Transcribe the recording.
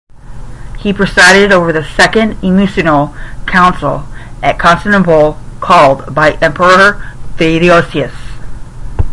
He presided over the second Ecumenical Council at Constantinople called by Emperor Theodosius.